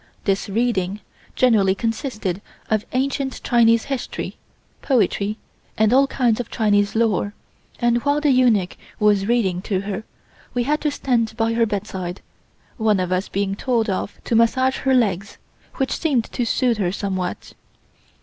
This reading generally consisted of ancient Chinese history, poetry and all kinds of Chinese lore, and while the eunuch was reading to her we had to stand by her bedside, one of us being told off to massage her legs, which seemed to soothe her somewhat.